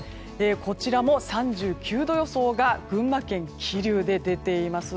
こちらも３９度予想が群馬県桐生で出ています。